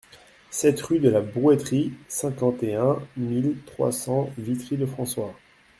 sept rue de la Brouetterie, cinquante et un mille trois cents Vitry-le-François